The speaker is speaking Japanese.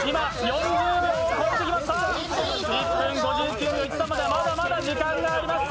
１分５９秒１３まではまだまだ時間があります。